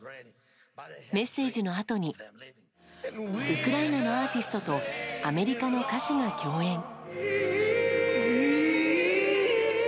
メッセージのあとにはウクライナのアーティストがアメリカの歌手と共演。